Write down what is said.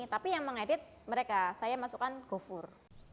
tapi yang mengedit mereka saya masukkan gofur